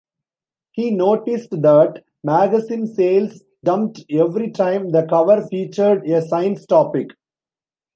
He noticed that magazine sales jumped every time the cover featured a science topic.